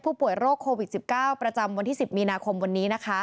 ผู้ป่วยโรคโควิด๑๙ประจำวันที่๑๐มีนาคมวันนี้นะคะ